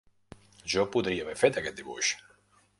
Jo podria haver fet aquest dibuix!